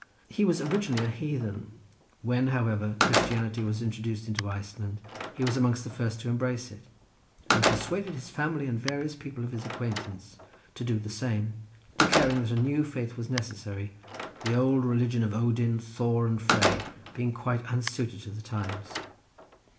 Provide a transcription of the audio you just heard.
He was originally a heathen—when, however, Christianity was introduced into Iceland, he was amongst the first to embrace it, and persuaded his family and various people of his acquaintance to do the same, declaring that a new faith was necessary, the old religion of Odin, Thor and Frey being quite unsuited to the times.